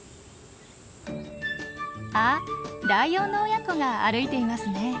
あっライオンの親子が歩いていますね。